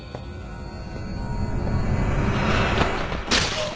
あっ！